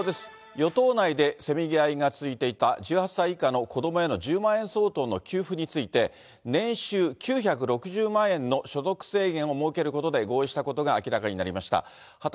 与党内でせめぎ合いが続いていた１８歳以下の子どもへの１０万円相当の給付について、年収９６０万円の所得制限を設けることで合意したことが明らかになりました。